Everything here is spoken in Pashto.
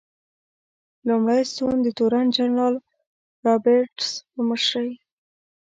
لومړی ستون د تورن جنرال رابرټس په مشرۍ.